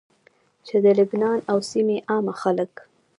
چې د لبنان او سيمي عامه خلک